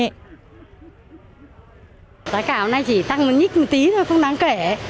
giá cả hôm nay chỉ tăng nhít một tí thôi không đáng kể